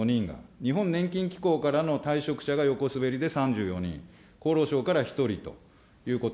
日本年金機構からの退職者が横滑りで３４人、厚労省から１人ということ。